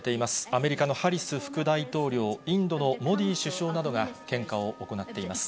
アメリカのハリス副大統領、インドのモディ首相などが献花を行っています。